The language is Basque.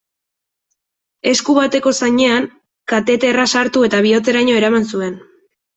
Esku bateko zainean kateterra sartu eta bihotzeraino eraman zuen.